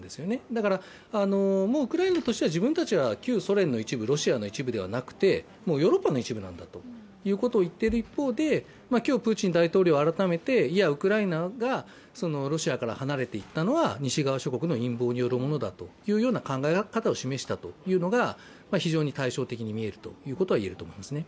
だから、ウクライナとしては自分は旧ソ連の一部、ロシアの一部ではなくてヨーロッパの一部なんだと言っている一方で、今日、プーチン大統領は改めていやウクライナがロシアから離れていったのは西側諸国の陰謀によるものだという考え方を示したのが非常に対照的に見えるということは言えると思いますね。